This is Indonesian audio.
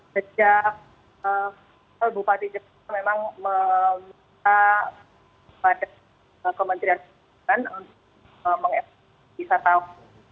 sejak bupati jepang memang meminta kepada kementerian perhubungan untuk mengesahkan wisatawan